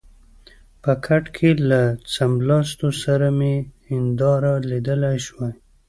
په کټ کې له څملاستو سره مې هنداره لیدلای شوای.